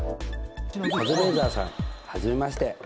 カズレーザーさん初めまして。